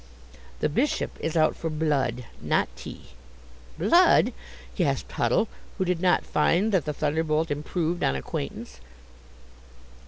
"The Bishop is out for blood, not tea." "Blood!" gasped Huddle, who did not find that the thunderbolt improved on acquaintance.